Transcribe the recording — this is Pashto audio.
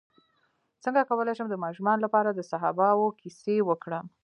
څنګه کولی شم د ماشومانو لپاره د صحابه وو کیسې وکړم